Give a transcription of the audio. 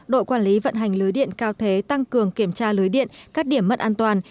đội quản lý vận hành lưới điện cao thế tăng cường kiểm tra lưới điện các điểm mất an toàn